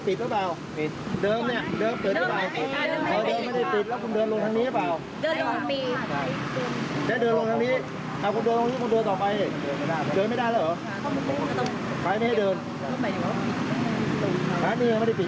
ไปพรึ๊บเยอะสรุปทางนี้หรือเปล่าแกเดินลงทางนี้ครับเอาคนเดินต่อไปเดินไม่ได้